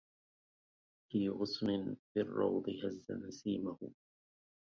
أي غصن في الروض هز نسيم